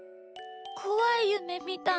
こわいゆめみたんだ。